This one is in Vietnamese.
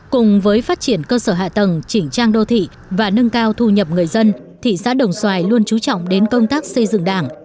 cùng với phát triển cơ sở hạ tầng chỉnh trang đô thị và nâng cao thu nhập người dân thị xã đồng xoài luôn trú trọng đến công tác xây dựng đảng